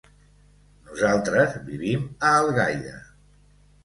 Nosaltres vivim a Algaida.